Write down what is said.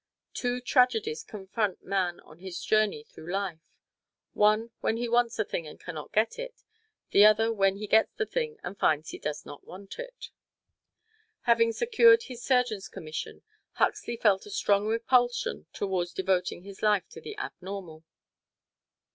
Two tragedies confront man on his journey through life one when he wants a thing and can not get it; the other when he gets the thing and finds he does not want it. Having secured his surgeon's commission, Huxley felt a strong repulsion toward devoting his life to the abnormal.